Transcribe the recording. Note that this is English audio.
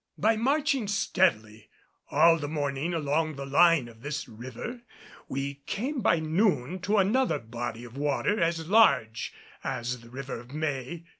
By marching steadily all the morning along the line of this river, we came by noon to another body of water as large as the River of May.